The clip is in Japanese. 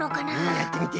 やってみて。